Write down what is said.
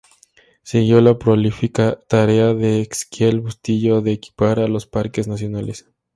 Siguió la prolífica tarea de Exequiel Bustillo de equipar a los Parques Nacionales.